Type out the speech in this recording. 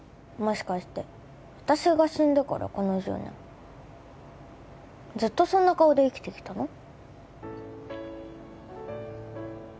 もしかして私が死んでからこの１０年ずっとそんな顔で生きてきたの？